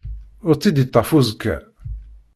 Ur tt-id-ittaf uzekka.